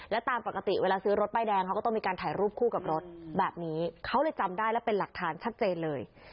และตามปกติเวลาซื้อรถป้ายแดงเขาก็ต้องมีการถ่ายรูปคู่กับรถแบบนี้เขาเลยจำได้แล้วเป็นหลักฐานชัดเจนเลย